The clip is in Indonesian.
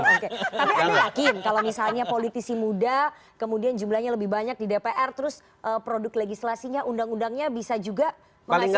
tapi anda yakin kalau misalnya politisi muda kemudian jumlahnya lebih banyak di dpr terus produk legislasinya undang undangnya bisa juga menghasilkan